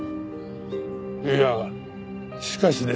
いやしかしですね。